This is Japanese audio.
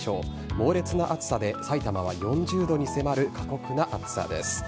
猛烈な暑さで埼玉は４０度に迫る過酷な暑さです。